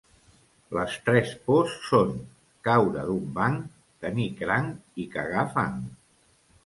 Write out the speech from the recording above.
Les tres pors són: caure d'un banc, tenir cranc i cagar fang.